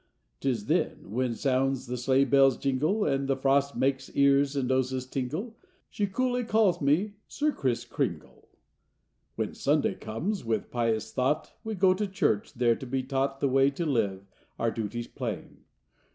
'Tis then when sounds the sleigh bell's jingle And the frost makes ears and noses tingle, She coolly calls me 'Sir Kriss Kringle.'" Copyrighted, 18U7 c^^aHEN Sunday comes, with pious thought We go to church, there to be taught The way to live, our duties plain.